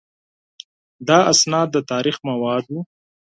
دا اسناد د تاریخ مواد وو.